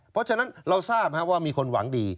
เพราะฉะนั้นเราทราบว่ามีคนหวังดี